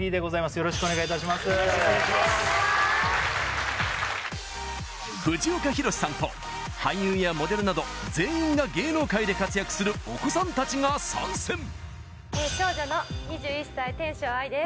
よろしくお願いします藤岡弘、さんと俳優やモデルなど全員が芸能界で活躍するお子さんたちが参戦長女の２１歳天翔愛です